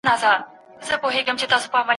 هره سياسي ګټه يوه بيه لري.